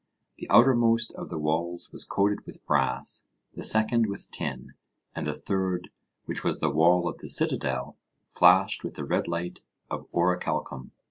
The outermost of the walls was coated with brass, the second with tin, and the third, which was the wall of the citadel, flashed with the red light of orichalcum.